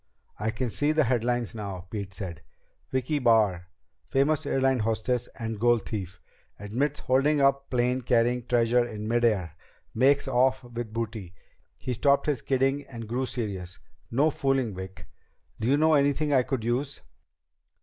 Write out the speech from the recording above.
"I can see the headlines now," Pete said. "Vicki Barr famous airlines hostess and gold thief. Admits holding up plane carrying treasure in mid air. Makes off with booty." He stopped his kidding and grew serious. "No fooling, Vic. Do you know anything I could use?"